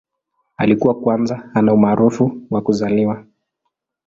Alikuwa kwanza ana umaarufu wa kuzaliwa.